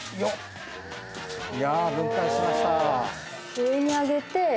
上に上げて。